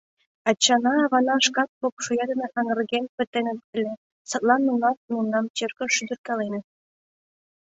Ачана-авана шкат поп шоя дене аҥырген пытеныт ыле, садлан нунат мемнам черкыш шӱдыркаленыт.